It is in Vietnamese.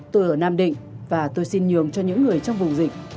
tôi ở nam định và tôi xin nhường cho những người trong vùng dịch